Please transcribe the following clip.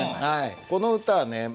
この歌はね